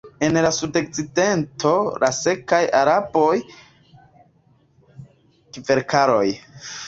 En la sudokcidento la sekaj arbaroj disigas la oaĥak-patrinmontarajn pinarojn-kverkarojn de la sud-patrinmontaraj pinaroj-kverkaroj.